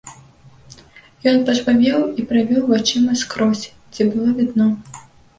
Ён пажвавеў і правёў вачыма скрозь, дзе было відно.